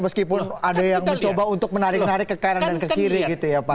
meskipun ada yang mencoba untuk menarik narik ke kanan dan ke kiri gitu ya pak